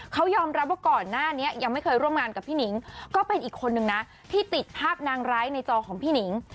เขายอมรับว่าก่อนหน้านี้ยังไม่เคยร่วมงานกับพี่หนิงก็เป็นอีกคนนึงนะที่ติดภาพนางร้ายในจอของพี่หนิง